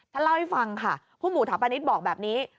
เล่าให้ฟังค่ะผู้หมู่ถาปณิตบอกแบบนี้